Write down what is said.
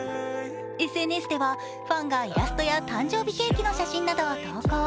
ＳＮＳでは、ファンがイラストや誕生日ケーキの写真などを投稿。